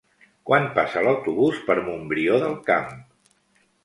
Quan passa l'autobús per Montbrió del Camp?